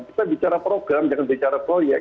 kita bicara program jangan bicara proyek